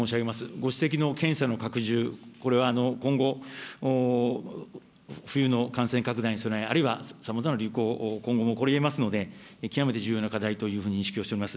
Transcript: ご指摘の検査の拡充、これは今後、冬の感染拡大に備え、あるいはさまざまな流行、今後も起こりえますので、極めて重要な課題というふうに認識をしております。